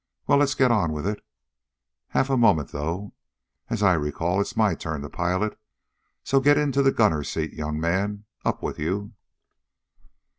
Well, let's get on with it. Half a moment, though. As I recall, it's my turn to pilot. So get into the gunner's seat, young man. Up with you!"